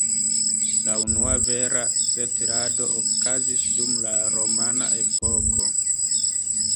La unua vera setlado okazis dum la romana epoko.